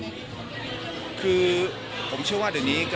คุณแม่น้องให้โอกาสดาราคนในผมไปเจอคุณแม่น้องให้โอกาสดาราคนในผมไปเจอ